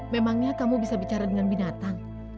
memangnya kamu bisa bicara dengan binatang